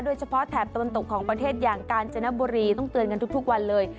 แถบตะวันตกของประเทศอย่างกาญจนบุรีต้องเตือนกันทุกวันเลย